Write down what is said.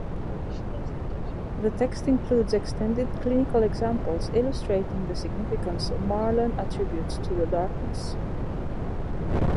The text includes extended clinical examples illustrating the significance Marlan attributes to the darkness.